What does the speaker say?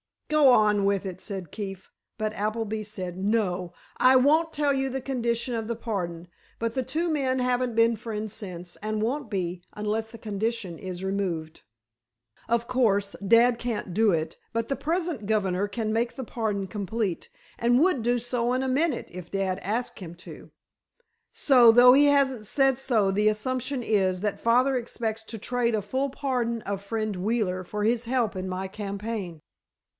"Go on with it," said Keefe; but Appleby said, "No; I won't tell you the condition of the pardon. But the two men haven't been friends since, and won't be, unless the condition is removed. Of course, dad can't do it, but the present governor can make the pardon complete, and would do so in a minute, if dad asked him to. So, though he hasn't said so, the assumption is, that father expects to trade a full pardon of Friend Wheeler for his help in my campaign."